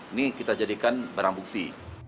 ini kita jadikan barang bukti